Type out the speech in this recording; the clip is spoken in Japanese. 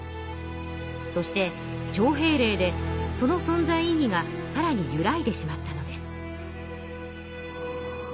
そして徴兵令でその存在意義がさらにゆらいでしまったのです。